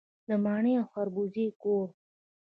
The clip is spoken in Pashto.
د مڼې او خربوزې کور.